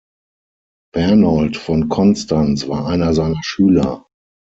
Bernold von Konstanz war einer seiner Schüler.